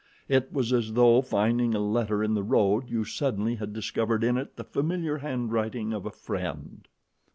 It was as though, finding a letter in the road, you suddenly had discovered in it the familiar handwriting of a friend.